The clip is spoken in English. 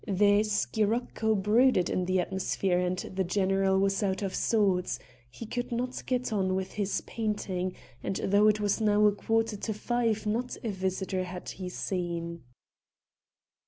The scirocco brooded in the atmosphere and the general was out of sorts; he could not get on with his painting, and though it was now a quarter to five not a visitor had he seen.